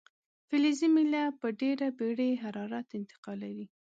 فلزي میله په ډیره بیړې حرارت انتقالوي.